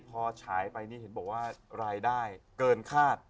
พอฉายไปนี่เห็นบอกว่ารายได้เกินคาด